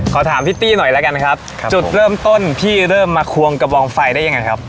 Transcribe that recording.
ขอถามพี่ตี้หน่อยแล้วกันครับจุดเริ่มต้นพี่เริ่มมาควงกระบองไฟได้ยังไงครับ